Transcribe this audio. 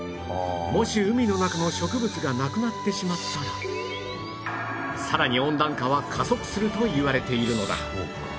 もし海の中の植物がなくなってしまったらさらに温暖化は加速するといわれているのだ